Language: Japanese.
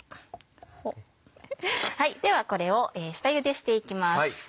ではこれを下ゆでしていきます。